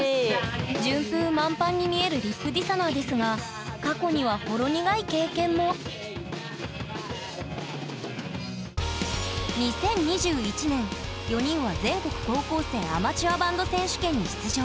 順風満帆に見えるＲＩＰＤＩＳＨＯＮＯＲですが過去にはほろ苦い経験も２０２１年４人は「全国高校生アマチュアバンド選手権」に出場。